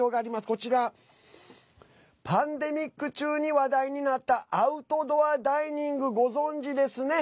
こちら、パンデミック中に話題になったアウトドアダイニングご存じですね。